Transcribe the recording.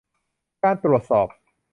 การตรวจสอบ